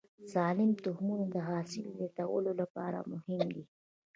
سالم تخمونه د حاصل زیاتوالي لپاره مهم دي.